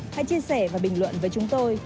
hãy chia sẻ và bình luận với chúng tôi